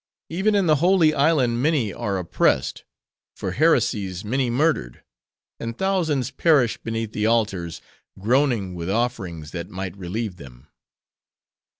Even in the Holy Island many are oppressed; for heresies, many murdered; and thousands perish beneath the altars, groaning with offerings that might relieve them."